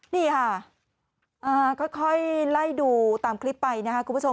นี่ค่ะค่อยไล่ดูตามคลิปไปนะครับคุณผู้ชม